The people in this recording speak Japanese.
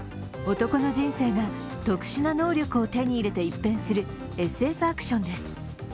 男の人生が特殊な能力を手に入れて一変するＳＦアクションです。